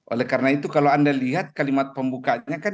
oleh karena itu kalau anda lihat kalimat pembukaannya kan